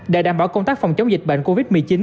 để đảm bảo công tác phòng chống dịch bệnh covid một mươi chín